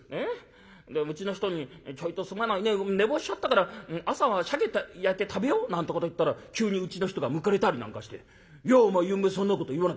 でうちの人に『ちょいとすまないね寝坊しちゃったから朝はシャケ焼いて食べよう』なんてこと言ったら急にうちの人がむくれたりなんかして『いやお前ゆんべそんなこと言わなかった。